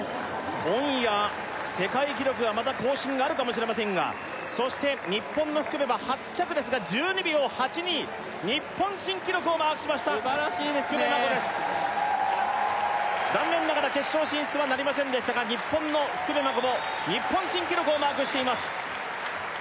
今夜世界記録がまた更新があるかもしれませんがそして日本の福部は８着ですが１２秒８２日本新記録をマークしました素晴らしいですね福部真子です残念ながら決勝進出はなりませんでしたが日本の福部真子も日本新記録をマークしています